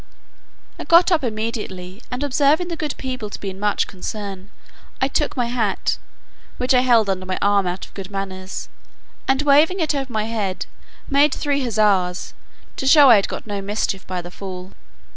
I got up immediately, and observing the good people to be in much concern, I took my hat (which I held under my arm out of good manners,) and waving it over my head, made three huzzas, to show I had got no mischief by my fall.